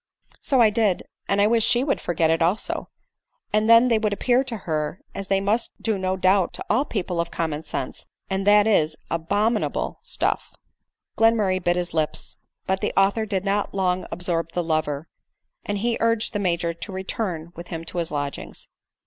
" So 1 did ; and I wish she could forget it also ; and then they would appear to her, as they must do no doubt to all people of common sense, and that is, abominable stuff." Glenmurray bit his lips — but the author did not long absorb the lover, and he urged the Major to return with him to his lodgings.